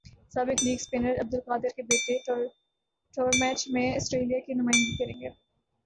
سابق leg spinner Abdul Qadir کے بیٹے ٹورمیچ میں اسٹریلیا کی نمائندگی کریں گے